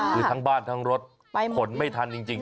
คือทั้งบ้านทั้งรถขนไม่ทันจริง